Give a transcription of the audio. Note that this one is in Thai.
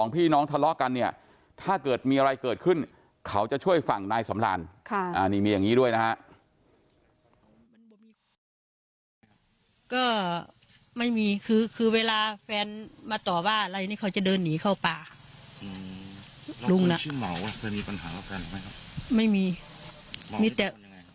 ลุงละมีปัญหาหรือไม่ครับไม่มีมีแต่